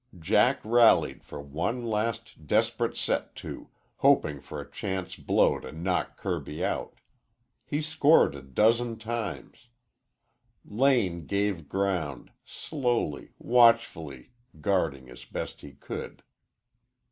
Jack rallied for one last desperate set to, hoping for a chance blow to knock Kirby out. He scored a dozen times. Lane gave ground, slowly, watchfully, guarding as best he could.